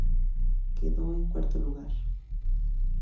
Quedó en cuarto lugar.